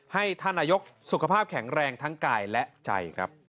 ให้ท่านนายกสุขภาพแข็งแรงทั้งกายและใจครับ